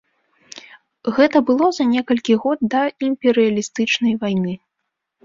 Гэта было за некалькі год да імперыялістычнай вайны.